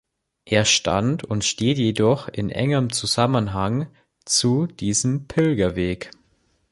Er stand und steht jedoch in engem Zusammenhang zu diesem Pilgerweg.